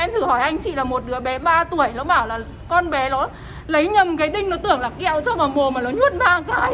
con bé nó lấy nhầm cái đinh nó tưởng là kẹo cho vào mồm mà nó nhuốt ba cái